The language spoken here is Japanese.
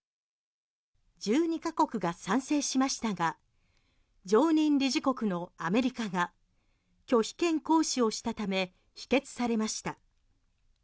１２か国が賛成しましたが常任理事国のアメリカが拒否権行使をしたため否決されました。